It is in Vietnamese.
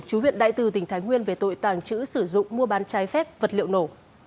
chú huyện đại từ tỉnh thái nguyên về tội tàng trữ sử dụng mua bán trái phép vật liệu nổ